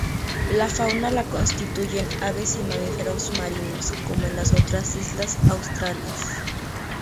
La fauna la constituyen aves y mamíferos marinos, como en las otras islas australes.